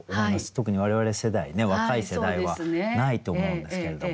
特に我々世代ね若い世代はないと思うんですけれども。